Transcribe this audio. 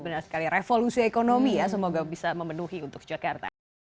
dari revolusi ekonomi ya semoga bisa memenuhi untuk jakarta